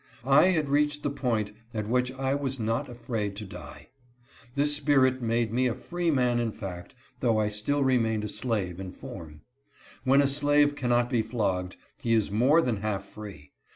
I had jy reached the point at which I was not afraid to die. This spirit made me a freeman mfact, though I still remained a slave in form. When a slave cannot be flogged, he is more than half free.